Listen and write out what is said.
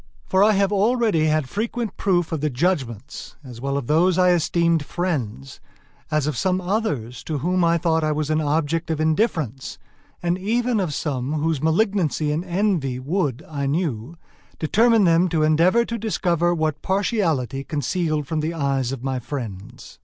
For I have already had frequent proof of the judgments, as well of those I esteemed friends, as of some others to whom I thought I was an object of indifference, and even of some whose malignancy and envy would, I knew, determine them to endeavor to discover what partiality concealed from the eyes of my friends.